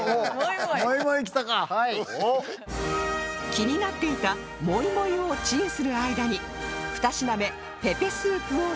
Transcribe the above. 気になっていたモイモイをチンする間に２品目ペペスープを試食